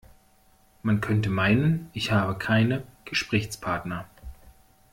Man könnte meinen, ich habe keine Gesprächspartner.